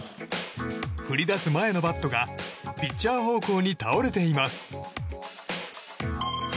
振り出す前のバットがピッチャー方向に倒れています。